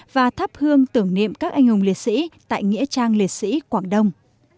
và thắp hương tưởng niệm các anh hùng liệt sĩ tại nghĩa trang liệt sĩ quảng đông